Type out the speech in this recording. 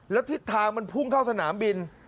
แล้วทิศทางมันพุ่งเข้าสนามบิน